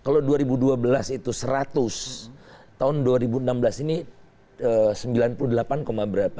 kalau dua ribu dua belas itu seratus tahun dua ribu enam belas ini sembilan puluh delapan berapa